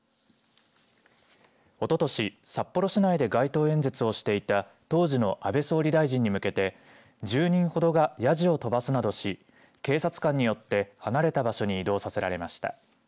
おととし札幌市内で街頭演説をしていた当時の安倍総理大臣に向けて１０人ほどがやじを飛ばすなどし警察官によって離れた場所に移動させられました。